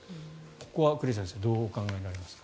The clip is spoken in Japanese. ここは栗原先生どうお考えになりますか？